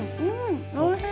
おいしい！